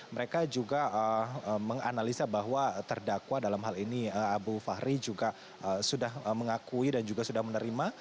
mereka juga menganalisa bahwa terdakwa dalam hal ini abu fahri juga sudah mengakui dan juga sudah menerima